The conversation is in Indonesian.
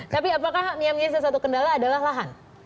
tapi apakah yang menjadi salah satu kendala adalah lahan